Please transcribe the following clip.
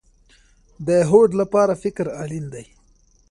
د هوډ لپاره فکر اړین دی